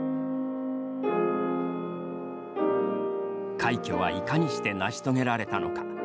快挙はいかにして成し遂げられたのか。